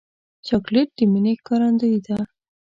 چاکلېټ د مینې ښکارندویي ده.